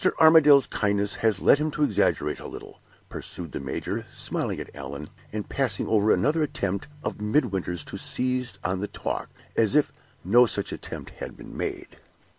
Armadale's kindness has led him to exaggerate a little," pursued the major, smiling at Allan, and passing over another attempt of Midwinter's to seize on the talk, as if no such attempt had been made.